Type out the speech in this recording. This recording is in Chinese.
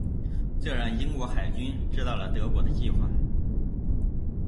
这让英国海军知道了德国的计划。